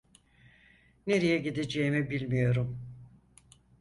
Nereye gideceğimi bilmiyorum.